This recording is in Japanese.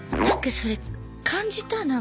なんかそれ感じた？